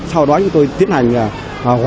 sau đó chúng tôi tiến hành